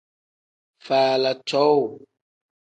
Faala cowuu.